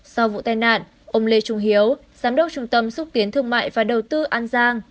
sau vụ tai nạn ông lê trung hiếu giám đốc trung tâm xúc tiến thương mại và đầu tư an giang